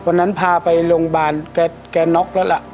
พาไปโรงพยาบาลแกน็อกแล้วล่ะ